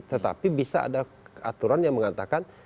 tetapi bisa ada aturan yang mengatakan